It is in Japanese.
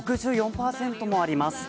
６４％もあります。